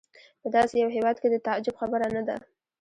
په داسې یو هېواد کې د تعجب خبره نه ده.